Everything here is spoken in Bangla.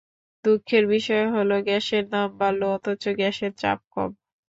দুঃখের বিষয় হলো, গ্যাসের দাম বাড়ল অথচ গ্যাসের চাপ কম।